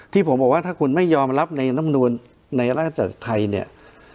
ที่ผมบอกว่าถ้าคุณไม่ยอมรับในน้ำนวลในร่างจากไทย